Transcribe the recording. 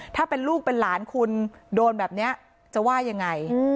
ถ้าเป็นลูกเป็นหลานคุณโดนแบบนี้จะว่ายังไง